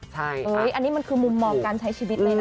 อันนี้มันคือมุมมองการใช้ชีวิตเลยนะ